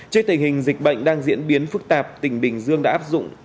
trước tình hình dịch bệnh đang diễn biến phức tạp tỉnh bình dương đã áp dụng